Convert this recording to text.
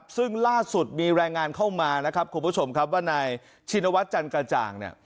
ซึ่งล่าสุดมีแรงงานเข้ามาคุณผู้ชมครับว่าในชินวัตรจันกระจ่าง